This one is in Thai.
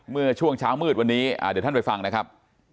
เมื่อช่วงเช้ามืดวันนี้เดี๋ยวท่านไปฟังนะครับ